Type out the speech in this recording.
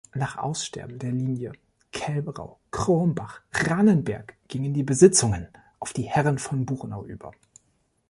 Nach Aussterben der Linie Kälberau-Krombach-Rannenberg gingen die Besitzungen auf die Herren von Buchenau über.